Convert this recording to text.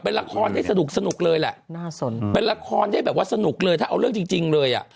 เป็นละครได้สนุกสนุกเลยแหละน่าสนเป็นละครได้แบบว่าสนุกเลยถ้าเอาเรื่องจริงจริงเลยอ่ะ